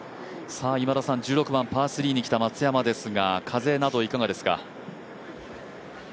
１６番、パー３に来た松山ですが風などいかがですか。